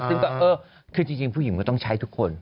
ซึ่งก็เออคือจริงผู้หญิงก็ต้องใช้ทุกคน